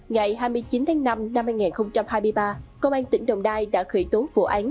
ngày hai mươi chín tháng năm năm hai nghìn hai mươi ba công an tỉnh đồng nai đã khởi tố vụ án